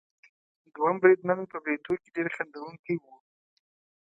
دوهم بریدمن په بریتونو کې ډېر خندوونکی وو.